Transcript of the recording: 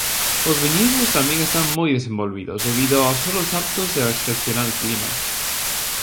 Os viñedos tamén están moi desenvolvidos, debido aos solos aptos e ao excepcional clima.